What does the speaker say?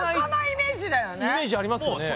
イメージありますよね。